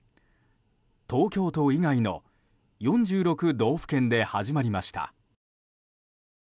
東京都以外の４６道府県で始まりました。